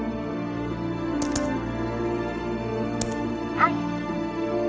はい